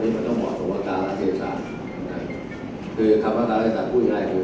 แล้วถ้าเกิดว่านายก็จะเป็นไหนก็จะเป็นอีกครั้งน่าที่ในการจัดตรงนี้น่าจะจัด